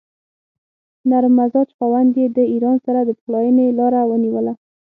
نرم مزاج خاوند یې د ایران سره د پخلاینې لاره ونیوله.